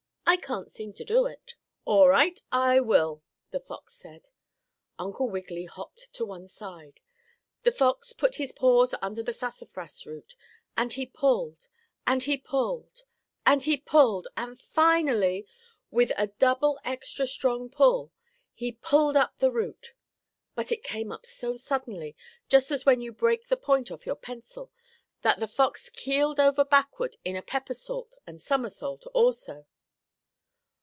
"I can't seem to do it." "All right, I will," the fox said. Uncle Wiggily hopped to one side. The fox put his paws under the sassafras root. And he pulled and he pulled and he pulled, and finally, with a double extra strong pull, he pulled up the root. But it came up so suddenly, just as when you break the point off your pencil, that the fox keeled over backward in a peppersault and somersault also.